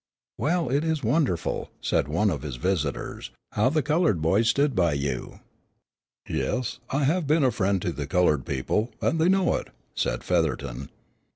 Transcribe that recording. "Well, it's wonderful," said one of his visitors, "how the colored boys stood by you." "Yes, I have been a friend to the colored people, and they know it," said Featherton.